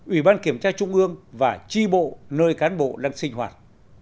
ủy ban kiểm tra trung ương và tri bộ nơi cán bộ đang sinh hoạt